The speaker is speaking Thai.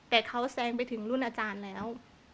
แต่เขาแซงไปถึงรุ่นอาจารย์แล้ว